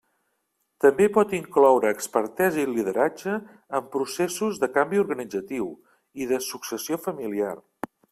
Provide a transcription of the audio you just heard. També pot incloure expertesa i lideratge en processos de canvi organitzatiu, i de successió familiar.